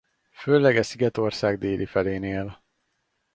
Főleg e szigetország déli felén él.